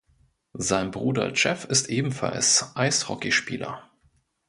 Sein Bruder Jeff ist ebenfalls Eishockeyspieler.